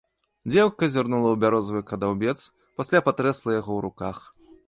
Дзеўка зірнула ў бярозавы кадаўбец, пасля патрэсла яго ў руках.